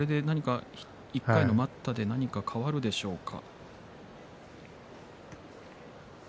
１回の待ったで何か変わるでしょうか。